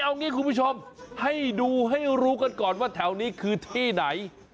เอางี้คุณผู้ชมให้ดูให้รู้กันก่อนว่าแถวนี้คือที่ไหน